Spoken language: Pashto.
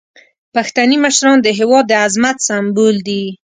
پښتني مشران د هیواد د عظمت سمبول دي.